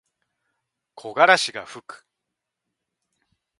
木枯らしがふく。